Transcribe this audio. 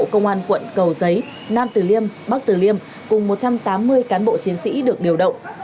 công an quận cầu giấy nam tử liêm bắc tử liêm cùng một trăm tám mươi cán bộ chiến sĩ được điều động